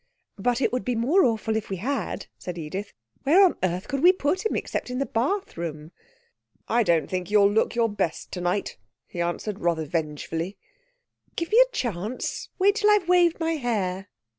'But it would be more awful if we had,' said Edith. 'Where on earth could we put him except in the bathroom?' 'I don't think you'll look you're best tonight,' he answered rather revengefully. 'Give me a chancel Wait till I've waved my hair!'